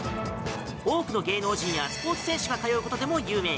多くの芸能人やスポーツ選手が通うことでも有名。